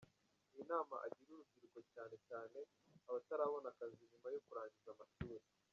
n’inama agira urubyiruko cyane cyane abatarabona akazi nyuma yo kurangiza amashuri.